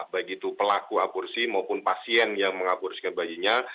baik itu pelaku aborsi maupun pasien yang mengaborsi bayinya